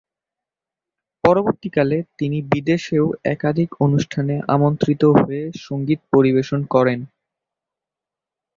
পরবর্তীকালে তিনি বিদেশেও একাধিক অনুষ্ঠানে আমন্ত্রিত হয়ে সঙ্গীত পরিবেশন করেন।